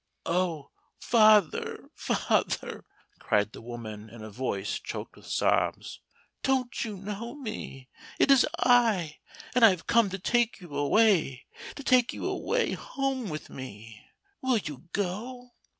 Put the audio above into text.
"O father, father!" cried the woman in a voice choked with sobs. "Don't you know me? It is I and I have come to take you away to take you away home with me. Will you go?"